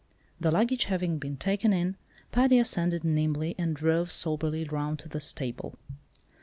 The luggage having been taken in, Paddy ascended nimbly, and drove soberly round to the stable.